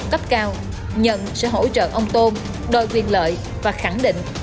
cấp cao nhận sẽ hỗ trợ ông tôn đòi quyền lợi và khẳng định